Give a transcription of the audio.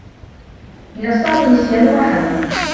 من الصّعب نسيان ما حدث.